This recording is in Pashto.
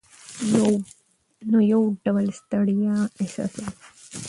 نو یو ډول ستړیا احساسوو.